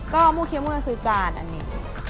ก็มู้เคี้ยวมือจะซื้อจานอันนี้